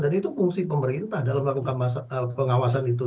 itu fungsi pemerintah dalam melakukan pengawasan itu